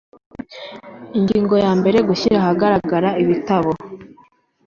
ingingo yambere gushyira ahagaragara ibitabo